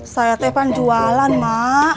saya tepan jualan mak